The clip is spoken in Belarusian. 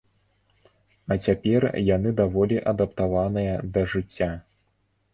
А цяпер яны даволі адаптаваныя да жыцця.